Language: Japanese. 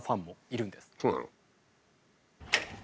そうなの？